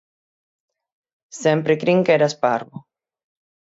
_Sempre crin que eras parvo...